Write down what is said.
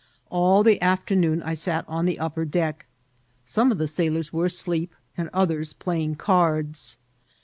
All the afternoon I sat on the upper deck. Some of the sailors were asleep and others playing cards.